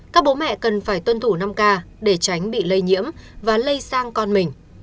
các bố mẹ cần phải tuân thủ năm k để tránh bị lây nhiễm và lây sang con mình